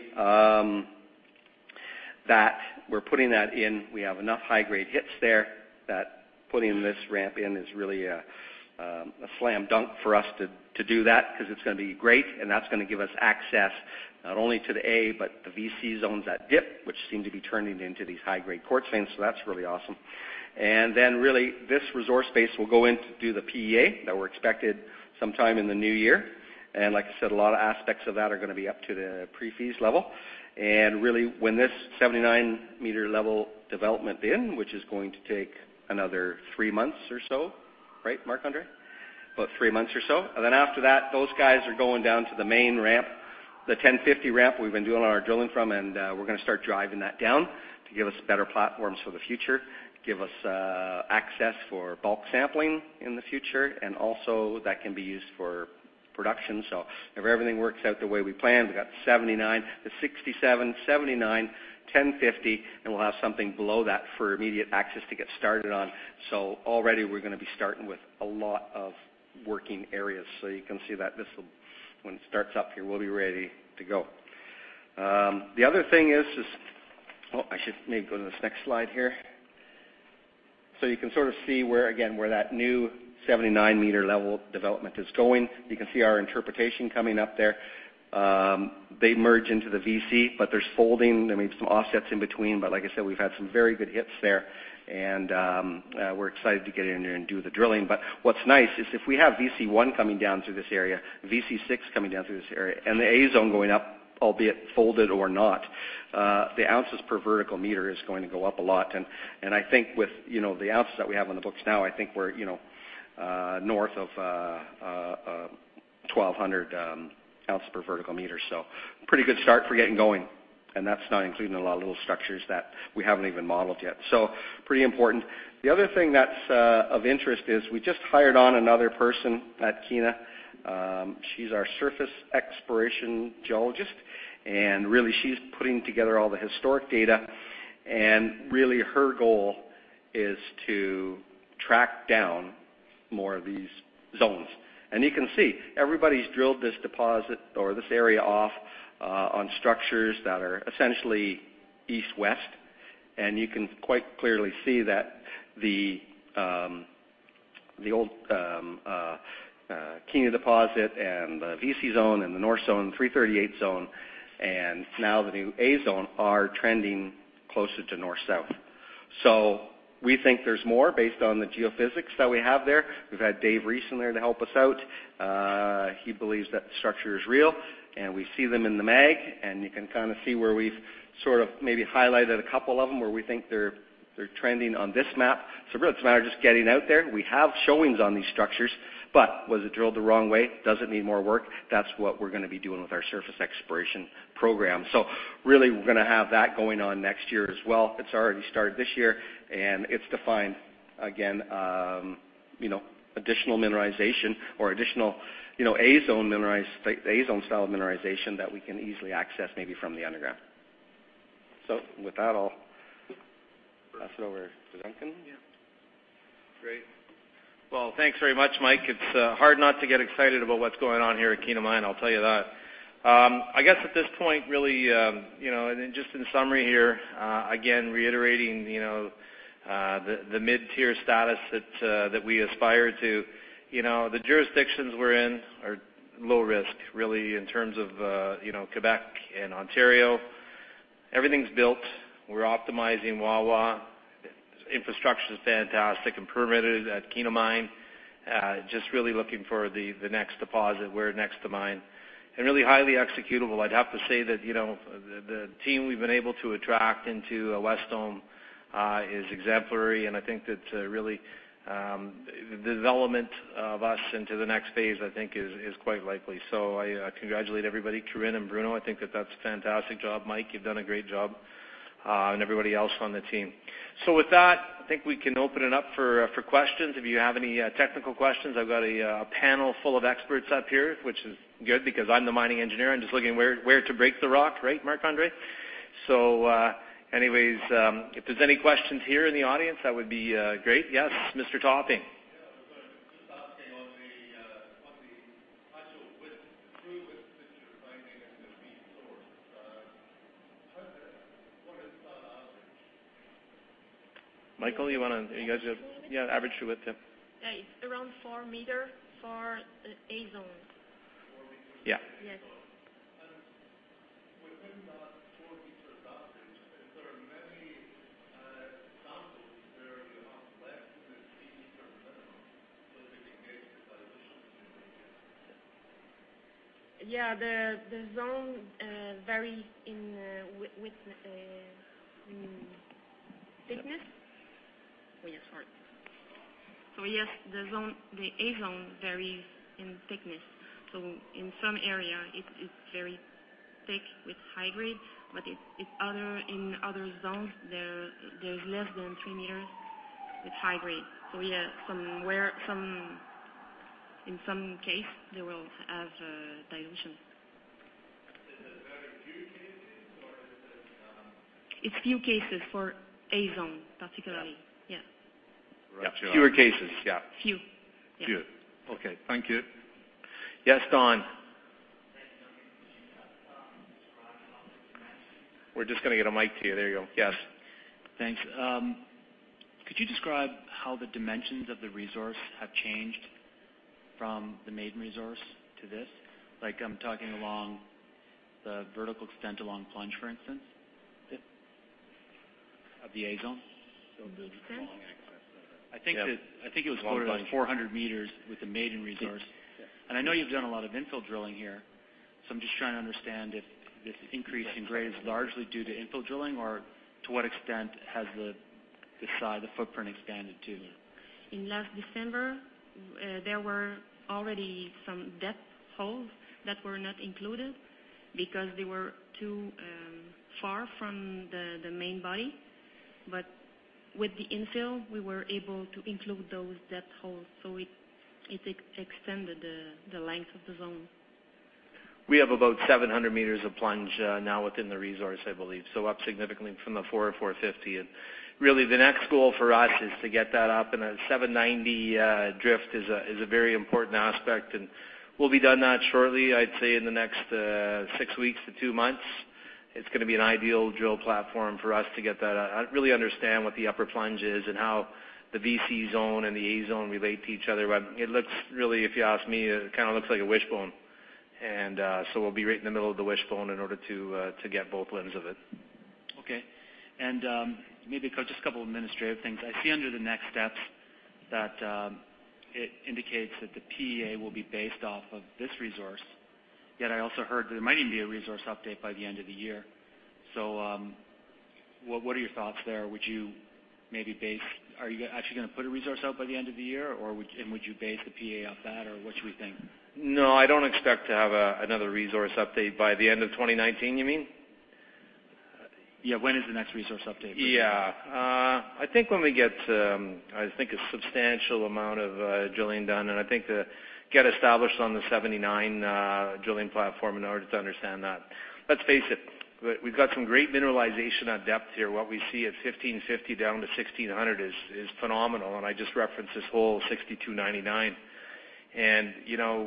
we're putting that in. We have enough high grade hits there that putting this ramp in is really a slam dunk for us to do that, because it's going to be great, and that's going to give us access not only to the A, but the VC zones that dip, which seem to be turning into these high grade quartz veins. That's really awesome. Really, this resource space will go in to do the PEA that we're expected sometime in the new year. Like I said, a lot of aspects of that are going to be up to the pre-feas level. Really when this 79 meter level development bin, which is going to take another three months or so, right, Marc-André? About three months or so. After that, those guys are going down to the main ramp, the 1050 ramp we've been doing all our drilling from, and we're going to start driving that down to give us better platforms for the future, give us access for bulk sampling in the future, and also that can be used for production. If everything works out the way we planned, we've got the 79, the 67, 79, 1050, and we'll have something below that for immediate access to get started on. Already we're going to be starting with a lot of working areas. You can see that this will, when it starts up here, we'll be ready to go. The other thing is I should maybe go to this next slide here. You can sort of see where, again, where that new 79 meter level development is going. You can see our interpretation coming up there. They merge into the VC, but there's folding, there may be some offsets in between, but like I said, we've had some very good hits there, and we're excited to get in there and do the drilling. What's nice is if we have VC1 coming down through this area, VC6 coming down through this area, and the A Zone going up, albeit folded or not, the ounces per vertical meter is going to go up a lot. I think with the ounces that we have on the books now, I think we're north of 1,200 ounces per vertical meter. Pretty good start for getting going. That's not including a lot of little structures that we haven't even modeled yet. Pretty important. The other thing that's of interest is we just hired on another person at Kiena. She's our surface exploration geologist, and really, she's putting together all the historic data, and really her goal is to track down more of these zones. You can see everybody's drilled this deposit or this area off on structures that are essentially east-west. You can quite clearly see that the old Kiena deposit and the VC zone and the North Zone, 338 Zone, and now the new A Zone are trending closer to north-south. We think there's more based on the geophysics that we have there. We've had Dave Reese in there to help us out. He believes that the structure is real, and we see them in the mag, and you can see where we've sort of maybe highlighted a couple of them where we think they're trending on this map. Really, it's a matter of just getting out there. We have showings on these structures, was it drilled the wrong way? Does it need more work? That's what we're going to be doing with our surface exploration program. Really, we're going to have that going on next year as well. It's already started this year, and it's defined, again, additional mineralization or additional A Zone style of mineralization that we can easily access maybe from the underground. With that, I'll pass it over to Duncan. Yeah. Great. Well, thanks very much, Mike. It's hard not to get excited about what's going on here at Kiena Mine, I'll tell you that. I guess at this point, really, and just in summary here, again, reiterating the mid-tier status that we aspire to. The jurisdictions we're in are low risk, really, in terms of Québec and Ontario. Everything's built. We're optimizing Wawa. Infrastructure's fantastic and permitted at Kiena Mine. Just really looking for the next deposit we're next to mine. Really highly executable. I'd have to say that the team we've been able to attract into Wesdome is exemplary, and I think that really the development of us into the next phase, I think, is quite likely. I congratulate everybody. Karine and Bruno, I think that that's a fantastic job. Mike, you've done a great job, and everybody else on the team. With that, I think we can open it up for questions. If you have any technical questions, I've got a panel full of experts up here, which is good because I'm the mining engineer and just looking where to break the rock, right, Marc-André? Anyways, if there's any questions here in the audience, that would be great. Yes, Mr. Topping. Yeah, I was just asking on the actual true width that you're finding in the resource. What is the average? Michael, You guys have. Yeah. Yeah, average true width. Yeah. It's around four meter for A Zone. Four meter for A Zone. Yeah. Yes. Within that four meter average, is there many samples where you have less than two meters minimum so that you can get the validation that you need? Yeah, the A zone varies in width, thickness? Yes, sorry. Yes, the A zone varies in thickness. In some area, it's very thick with high grade, but in other zones, there's less than three meters with high grade. Yeah, in some case, they will have a dilution. Is it very few cases or is it- It's few cases for A Zone, particularly. Yeah. Yeah. Fewer cases, yeah. Few. Few. Okay. Thank you. Yes, Don. Thank you. We're just going to get a mic to you. There you go. Yes. Thanks. Could you describe how the dimensions of the resource have changed from the maiden resource to this? I'm talking along the vertical extent along plunge, for instance. Yes. Of the A zone. Okay. Along axis. Yeah. I think it was quoted as 400 m with the maiden resource. Yes. I know you've done a lot of infill drilling here, so I'm just trying to understand if this increase in grade is largely due to infill drilling, or to what extent has the footprint expanded to? In last December, there were already some depth holes that were not included because they were too far from the main body. With the infill, we were able to include those depth holes, so it extended the length of the zone. We have about 700 meters of plunge now within the resource, I believe. Up significantly from the 400 or 450. Really the next goal for us is to get that up, and a 790 drift is a very important aspect, and we'll be done that shortly, I'd say in the next six weeks to two months. It's going to be an ideal drill platform for us to get that out. I don't really understand what the upper plunge is and how the VC zone and the A Zone relate to each other. It looks really, if you ask me, it kind of looks like a wishbone. We'll be right in the middle of the wish bone in order to get both limbs of it. Okay. Maybe just a couple of administrative things. I see under the next steps that it indicates that the PEA will be based off of this resource, yet I also heard that there might even be a resource update by the end of the year. What are your thoughts there? Are you actually going to put a resource out by the end of the year, and would you base the PEA off that, or what should we think? No, I don't expect to have another resource update by the end of 2019, you mean? Yeah, when is the next resource update? Yeah. I think when we get a substantial amount of drilling done, and I think to get established on the 79 drilling platform in order to understand that. Let's face it, we've got some great mineralization at depth here. What we see at 1550 down to 1600 is phenomenal, and I just referenced this hole 6299.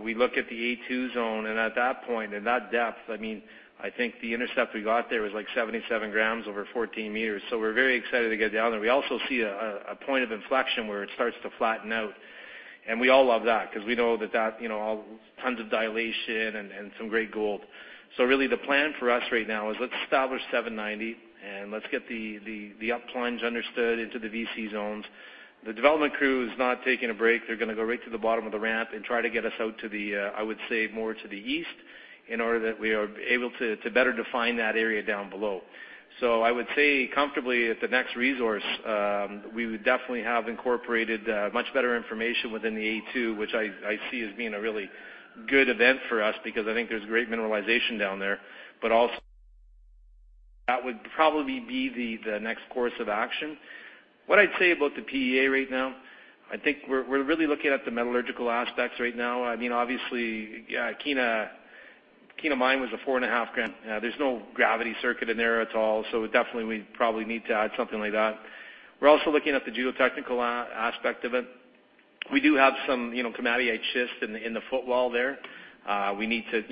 We look at the A2 zone, and at that point, at that depth, I think the intercept we got there was like 77 grams over 14 meters. We're very excited to get down there. We also see a point of inflection where it starts to flatten out. We all love that because we know that tons of dilation and some great gold. Really the plan for us right now is let's establish 790 and let's get the up plunge understood into the VC zones. The development crew is not taking a break. They're going to go right to the bottom of the ramp and try to get us out to the, I would say, more to the east in order that we are able to better define that area down below. I would say comfortably at the next resource, we would definitely have incorporated much better information within the A2, which I see as being a really good event for us because I think there's great mineralization down there. That would probably be the next course of action. What I'd say about the PEA right now, I think we're really looking at the metallurgical aspects right now. Obviously, Kiena Mine was a four and a half gram. There's no gravity circuit in there at all. Definitely we probably need to add something like that. We're also looking at the geotechnical aspect of it. We do have some komatiite schist in the footwall there. We need to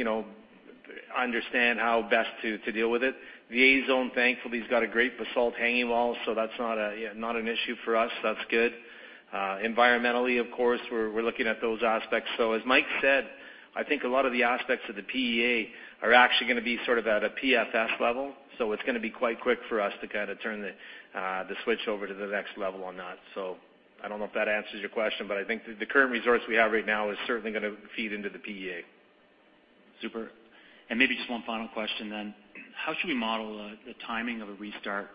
understand how best to deal with it. The A Zone, thankfully, has got a great basalt hanging wall, so that's not an issue for us. That's good. Environmentally, of course, we're looking at those aspects. As Mike said, I think a lot of the aspects of the PEA are actually going to be at a PFS level. It's going to be quite quick for us to turn the switch over to the next level on that. I don't know if that answers your question, but I think the current resource we have right now is certainly going to feed into the PEA. Super. Maybe just one final question then. How should we model the timing of a restart?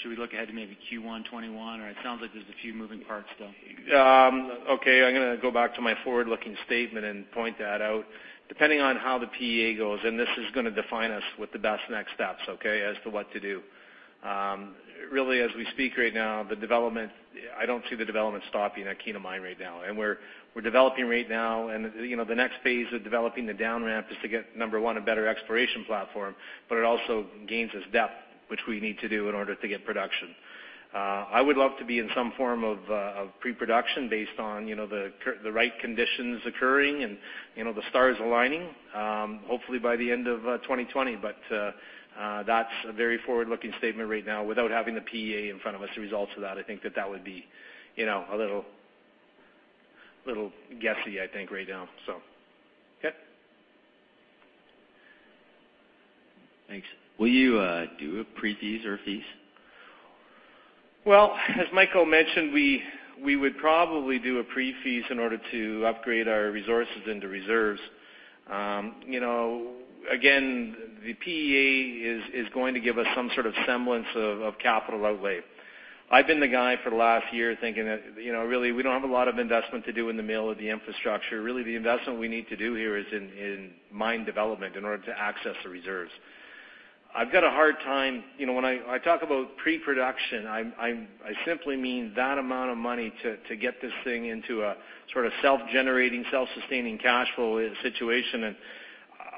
Should we look ahead to maybe Q1 2021, or it sounds like there's a few moving parts still. I'm going to go back to my forward-looking statement and point that out. Depending on how the PEA goes, this is going to define us with the best next steps, okay, as to what to do. Really as we speak right now, I don't see the development stopping at Kiena Mine right now. We're developing right now and the next phase of developing the down ramp is to get, number 1, a better exploration platform, it also gains us depth, which we need to do in order to get production. I would love to be in some form of pre-production based on the right conditions occurring and the stars aligning, hopefully by the end of 2020. That's a very forward-looking statement right now without having the PEA in front of us, the results of that. I think that that would be a little guessy, I think, right now. Yep. Thanks. Will you do a pre-feas or a feas? As Michael mentioned, we would probably do a pre-feas in order to upgrade our resources into reserves. Again, the PEA is going to give us some sort of semblance of capital outlay. I've been the guy for the last year thinking that really we don't have a lot of investment to do in the mill or the infrastructure. Really, the investment we need to do here is in mine development in order to access the reserves. I've got a hard time, when I talk about pre-production, I simply mean that amount of money to get this thing into a sort of self-generating, self-sustaining cash flow situation.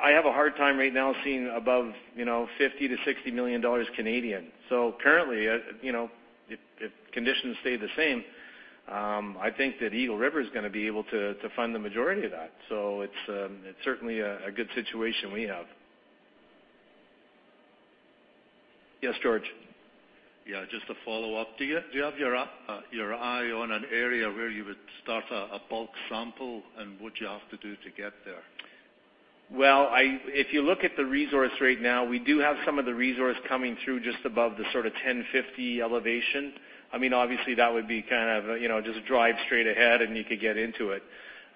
I have a hard time right now seeing above 50 million-60 million Canadian dollars. Currently, if conditions stay the same, I think that Eagle River is going to be able to fund the majority of that. It's certainly a good situation we have. Yes, George. Yeah, just to follow up. Do you have your eye on an area where you would start a bulk sample, and what do you have to do to get there? Well, if you look at the resource right now, we do have some of the resource coming through just above the sort of 1050 elevation. Obviously, that would be kind of just drive straight ahead and you could get into it.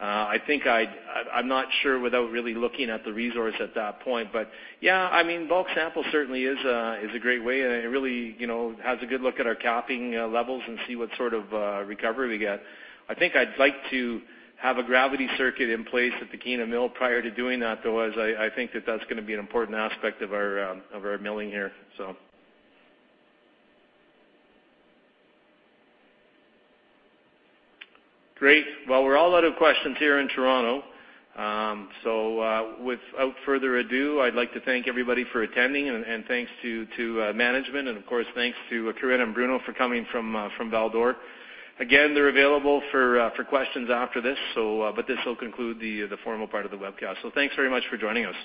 I'm not sure without really looking at the resource at that point, but yeah, bulk sample certainly is a great way, and it really has a good look at our capping levels and see what sort of recovery we get. I think I'd like to have a gravity circuit in place at the Kiena Mill prior to doing that, though, as I think that that's going to be an important aspect of our milling here, so. Great. Well, we're all out of questions here in Toronto. Without further ado, I'd like to thank everybody for attending, and thanks to management, and of course, thanks to Karine and Bruno for coming from Val-d'Or. Again, they're available for questions after this, but this will conclude the formal part of the webcast. Thanks very much for joining us.